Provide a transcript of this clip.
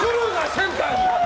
センターに！